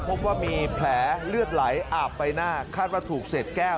พบว่ามีแผลเลือดไหลอาบใบหน้าคาดว่าถูกเศษแก้ว